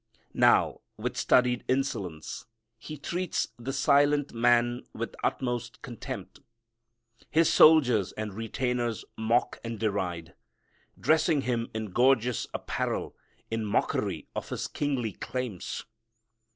Now, with studied insolence, he treats this silent man with utmost contempt. His soldiers and retainers mock and deride, dressing Him in gorgeous apparel in mockery of His kingly claims.